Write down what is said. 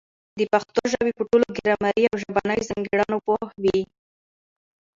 د پښتو ژبي په ټولو ګرامري او ژبنیو ځانګړنو پوه وي.